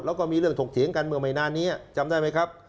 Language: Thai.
แล้วก็มีเรื่องถกเถียงกันเมื่อไม่นานนี้จำได้ไหมครับ